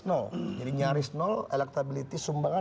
nyaris sumbangan